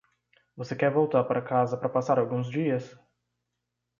Você quer voltar para casa para passar alguns dias?